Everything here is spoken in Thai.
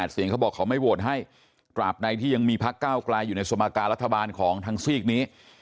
เสียงเขาบอกเขาไม่โหวนให้กราบในที่ยังมีพกในสมการรัฐบาลของทางซีกนี้